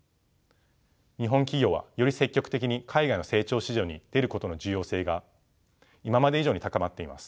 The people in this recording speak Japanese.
日本企業はより積極的に海外の成長市場に出ることの重要性が今まで以上に高まっています。